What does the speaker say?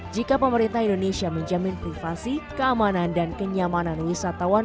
jika pemerintah indonesia menjamin kemampuan penumpang yang diperlukan